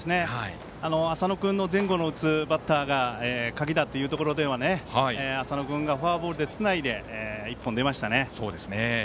浅野君の前後の打つバッターが鍵だというところでは浅野君がフォアボールでつないで一本、出ましたね。